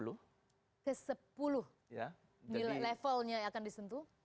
levelnya akan disentuh